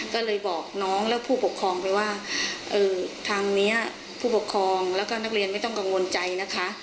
ก็เลยบอกน้องและผู้ปกครองไปว่าทางนี้ผู้ปกครองแล้วก็นักเรียนไม่ต้องกังวลใจนะคะ